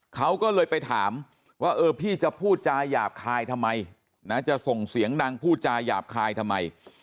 เขาก็เลยไปถามว่าเออพี่จะพูดจาหยาบคายทำไมนะจะส่งเสียงดังพูดจาหยาบคายทำไม